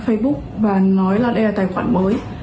facebook và nói là đây là tài khoản mới